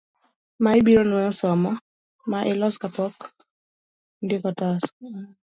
ma ibiro nwoyo somo ma ilos ka pok indiko otas